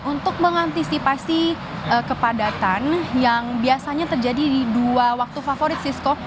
untuk mengantisipasi kepadatan yang biasanya terjadi di dua waktu favorit sisko